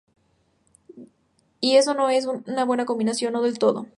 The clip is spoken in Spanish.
Y eso no es una buena combinación, no del todo.